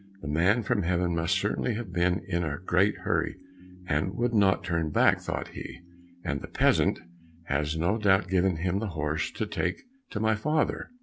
"The man from Heaven must certainly have been in a great hurry, and would not turn back," thought he, "and the peasant has no doubt given him the horse to take to my father."